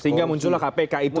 sehingga muncullah kpk itu